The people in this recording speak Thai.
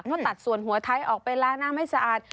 ก็ตัดส่วนหัวไท้ออกไปแล้วหน้าไม่สะอาด